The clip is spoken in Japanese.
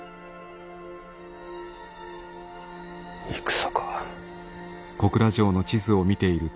戦か。